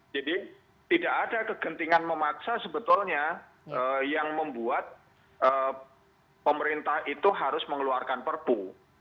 jadi tidak ada kegentingan memaksa sebetulnya yang membuat pemerintah itu harus mengeluarkan perpu